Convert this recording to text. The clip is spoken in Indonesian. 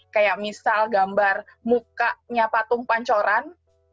kayak misal gambar mukanya patung pancoran